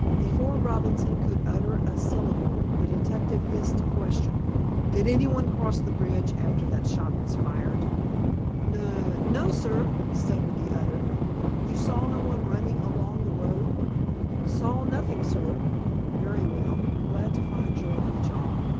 Before Robinson could utter a syllable, the detective hissed a question. "Did anyone cross the bridge after that shot was fired?" "Nun—No, sir," stuttered the other. "You saw no one running along the road?" "Saw nothing, sir." "Very well. Glad to find you're on the job.